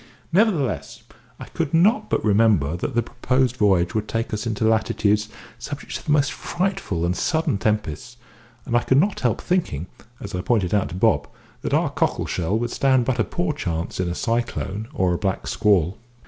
Nevertheless, I could not but remember that the proposed voyage would take us into latitudes subject to the most frightful and sudden tempests, and I could not help thinking (as I pointed out to Bob) that our cockle shell would stand but a poor chance in a cyclone or a black squall.